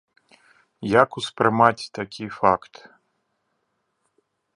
Як успрымаць такі факт?